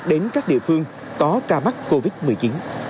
đến các địa phương có ca mắc covid một mươi chín